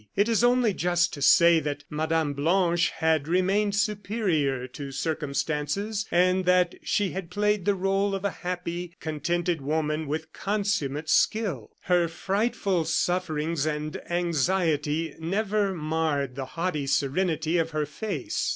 It is only just to say that Mme. Blanche had remained superior to circumstances; and that she had played the role of a happy, contented woman with consummate skill. Her frightful sufferings and anxiety never marred the haughty serenity of her face.